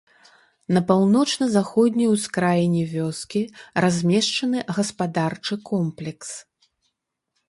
На паўночна-заходняй ускраіне вёскі размешчаны гаспадарчы комплекс.